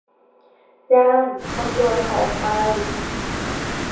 ยาม เอาตัวเขาออกไป !